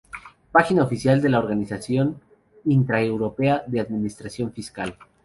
Página oficial de la Organización Intra-Europea de Administración Fiscal.